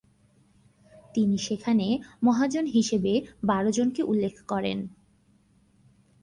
তিনি সেখানে মহাজন হিসেবে বারো জনকে উল্লেখ করেন।